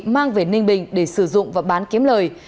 mang về ninh bình để sử dụng và bán kiếm lời